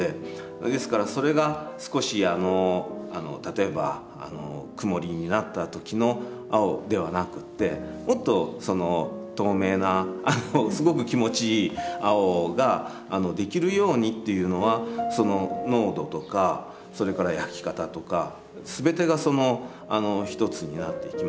ですからそれが少し例えば曇りになった時の青ではなくてもっと透明なすごく気持ちいい青ができるようにっていうのは濃度とかそれから焼き方とか全てが一つになっていきますから。